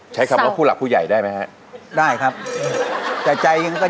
ใช้คำว่าผู้หลักผู้ใหญ่ได้ไหมครับพี่ป้อนชัยใช้คำว่าผู้หลักผู้ใหญ่ได้ไหมครับ